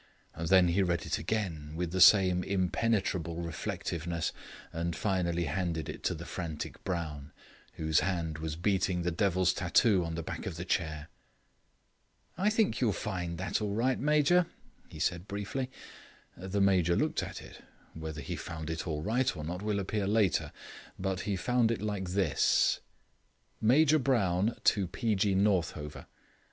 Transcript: Then he read it again with the same impenetrable reflectiveness, and finally handed it to the frantic Brown, whose hand was beating the devil's tattoo on the back of the chair. "I think you will find that all right, Major," he said briefly. The Major looked at it; whether he found it all right or not will appear later, but he found it like this: Major Brown to P. G. Northover.